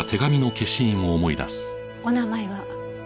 お名前は？